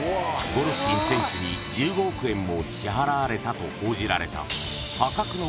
ゴロフキン選手に１５億円も支払われたと報じられたそこで